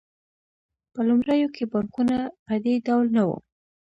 په لومړیو کې بانکونه په دې ډول نه وو